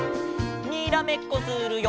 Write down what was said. にらめっこするよ！